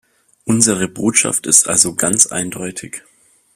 Unsere Botschaft ist also ganz eindeutig.